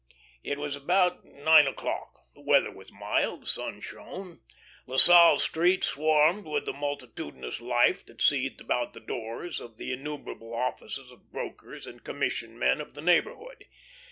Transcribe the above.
It was about nine o'clock; the weather was mild, the sun shone. La Salle Street swarmed with the multitudinous life that seethed about the doors of the innumerable offices of brokers and commission men of the neighbourhood.